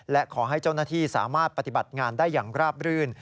และขอให้เจ้าหน้าที่สามารถปฏิบัติงานได้อย่างราบรื่น